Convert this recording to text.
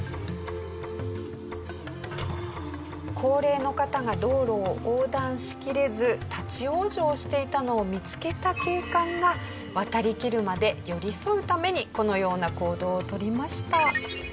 高齢の方が道路を横断しきれず立ち往生していたのを見つけた警官が渡りきるまで寄り添うためにこのような行動を取りました。